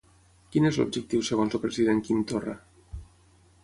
Quin és l'objectiu segons el president Quim Torra?